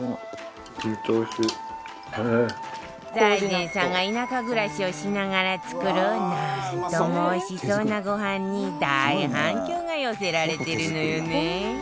財前さんが田舎暮らしをしながら作る何ともおいしそうなごはんに大反響が寄せられているのよね。